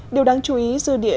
điều đáng chú ý dư địa